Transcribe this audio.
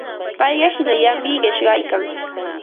Payqa hinallami qishyaykan.